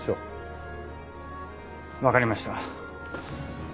わかりました。